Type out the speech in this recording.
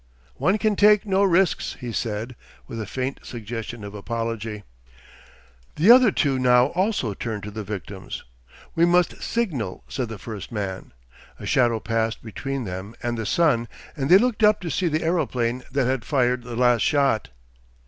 'One can take no risks,' he said, with a faint suggestion of apology. The other two now also turned to the victims. 'We must signal,' said the first man. A shadow passed between them and the sun, and they looked up to see the aeroplane that had fired the last shot.